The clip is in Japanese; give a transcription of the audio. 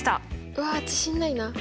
うわっ自信ないな。